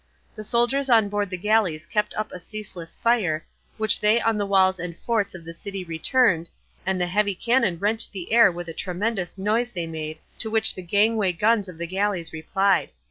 The soldiers on board the galleys kept up a ceaseless fire, which they on the walls and forts of the city returned, and the heavy cannon rent the air with the tremendous noise they made, to which the gangway guns of the galleys replied.